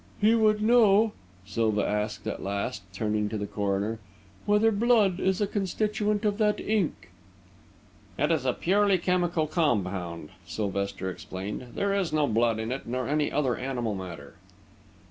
"He would know," Silva asked, at last, turning to the coroner, "whether blood is a constituent of that ink." "It is a purely chemical compound," Sylvester explained. "There is no blood in it, nor any other animal matter."